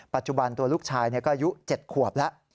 ปัจจุบันตัวลูกชายก็อายุ๗ขวบแล้ว